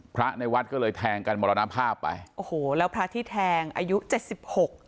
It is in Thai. พระในวัดก็เลยแทงกันมรณภาพไปโอ้โหแล้วพระที่แทงอายุเจ็ดสิบหก